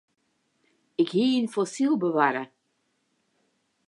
Ik hie in fossyl bewarre.